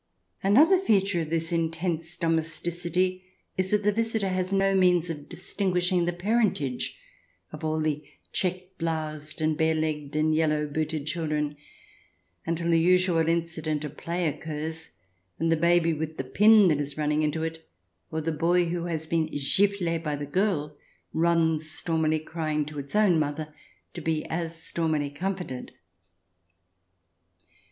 Another feature of this intense domesticity is that the visitor has no means of distinguishing the parentage of all the check bloused and bare legged and yellow booted children, until the usual incident of play occurs, and the baby with the pin that is running into it, or the boy who has been gifle by the girl, runs stormily crying to its own mother to be as stormily comforted.